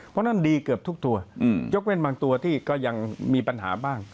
เพราะฉะนั้นดีเกือบทุกตัวยกเว้นบางตัวที่ก็ยังมีปัญหาบ้าง